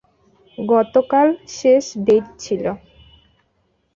গতকাল শেষ ডেইট ছিলো।